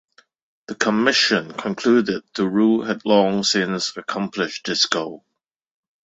The commission concluded the rule had long since accomplished its goal.